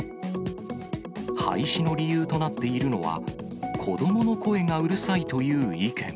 廃止の理由となっているのは、子どもの声がうるさいという意見。